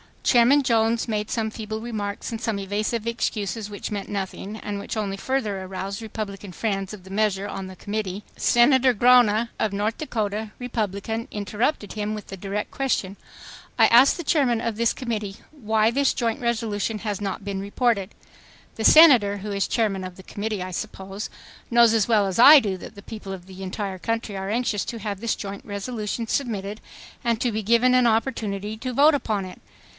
Chairman Jones made some feeble remarks and some evasive excuses which meant nothing, and which only further aroused Republican friends of the measure on the Committee. Senator Gronna of North Dakota, Republican, interrupted him with the direct question, "I ask the chairman of this committee why this joint resolution has not been reported? The Senator, who is chairman of the committee, I suppose, knows as well as I do that the people of the entire country are anxious to have this joint resolution submitted and to be given an opportunity to vote upon it.